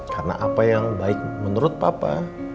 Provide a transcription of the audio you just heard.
karena apa yang baik menurut papa